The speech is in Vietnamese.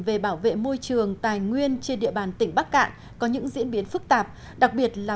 về bảo vệ môi trường tài nguyên trên địa bàn tỉnh bắc cạn có những diễn biến phức tạp đặc biệt là